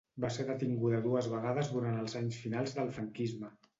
Va ser detinguda dues vegades durant els anys finals del franquisme.